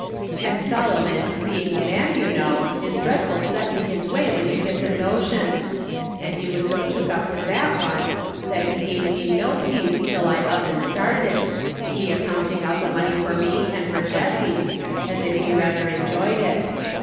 " And Sdlomon, being a man, you know, is dread ful set in his way when he gets a notion ; and he was so took up with that one that he give me no peace till I up and started, he a counting out the money for me and for Jessie, as if he ruther enjoyed it.